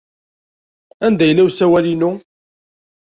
Anda yella usawal-inu?